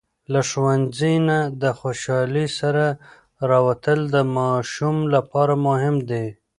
له ښوونځي نه د خوشالۍ سره راووتل د ماشوم لپاره مهم دی.